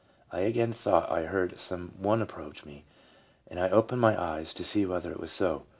... I again thought I heard some one approach me, and I opened my eyes to see whether it were so.